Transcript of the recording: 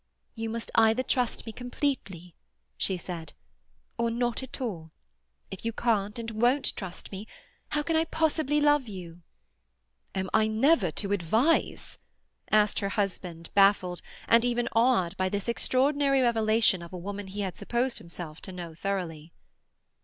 "You must either trust me completely," she said, "or not at all. If you can't and won't trust me, how can I possibly love you?" "Am I never to advise?" asked her husband, baffled, and even awed, by this extraordinary revelation of a woman he had supposed himself to know thoroughly.